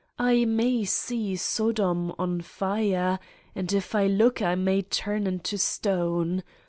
I may see Sodom on fire and if I look I may turn into stone.